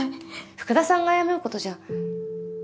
福田さんが謝ることじゃ。